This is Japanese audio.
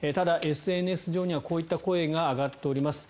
ただ、ＳＮＳ上にはこういった声が上がっています。